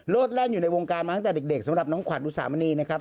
แล่นอยู่ในวงการมาตั้งแต่เด็กสำหรับน้องขวัญอุสามณีนะครับ